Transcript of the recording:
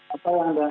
apa yang dianggap